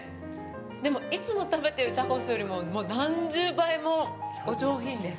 でも、いつも食べてるタコスよりも何十倍もお上品です。